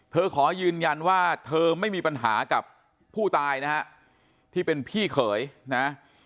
ขอยืนยันว่าเธอไม่มีปัญหากับผู้ตายนะฮะที่เป็นพี่เขยนะ